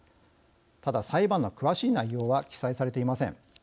ただ、裁判の詳しい内容は記載されていません。